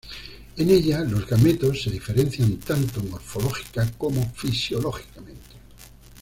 En ella, los gametos se diferencian tanto morfológica como fisiológicamente.